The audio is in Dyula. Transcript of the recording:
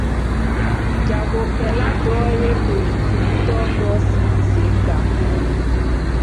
Jagokɛla dɔ ye politikitɔn dɔ sigi sen kan.